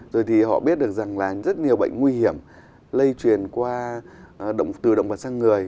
rồi thì họ biết được rằng là rất nhiều bệnh nguy hiểm lây truyền qua từ động vật sang người